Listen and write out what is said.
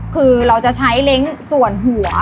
คือเราจะใช้เล้งส่วนหัว